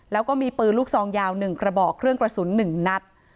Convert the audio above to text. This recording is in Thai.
แล้วก็มีปืนลูกซองยาว๑กระบอกเครื่องกระสุน๑นัด